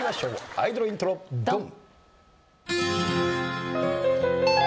アイドルイントロドン！